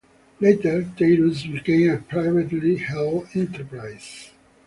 Later, Tairus became a privately held enterprise.